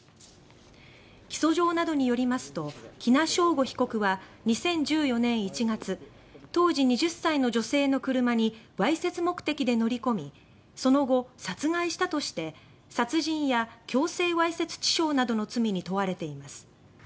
起訴状などによりますと喜納尚吾被告は２０１４年１月当時２０歳の女性の車にわいせつ目的で乗り込みその後、殺害したとして殺人や強制わいせつ致傷などの罪に問われています。